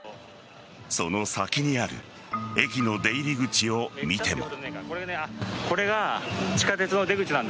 その先にある駅の出入り口を見ても。